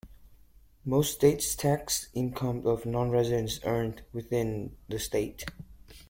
Most states tax income of nonresidents earned within the state.